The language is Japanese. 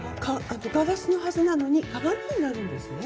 ガラスのはずなのに鏡になるんですね。